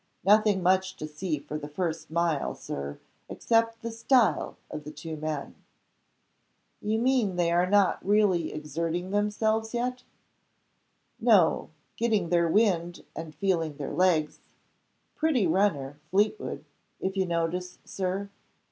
"Nothing much to see for the first mile, Sir, except the 'style' of the two men." "You mean they are not really exerting themselves yet?" "No. Getting their wind, and feeling their legs. Pretty runner, Fleetwood if you notice Sir?